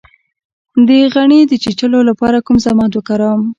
د غڼې د چیچلو لپاره کوم ضماد وکاروم؟